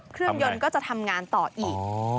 เครื่องยนต์ก็จะทำงานต่ออีก